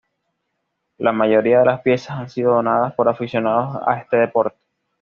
La mayoría de las piezas han sido donadas por aficionados a este deporte.